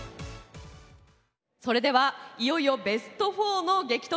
それではいよいよベスト４の激突。